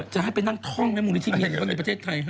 จะให้ไปนั่งท่องในมูลนิธิในประเทศไทย